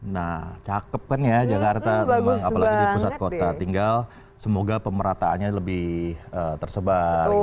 nah cakep kan ya jakarta memang apalagi di pusat kota tinggal semoga pemerataannya lebih tersebar